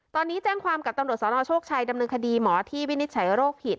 ตอนนี้แจ้งความกับตำรวจสนโชคชัยดำเนินคดีหมอที่วินิจฉัยโรคหิต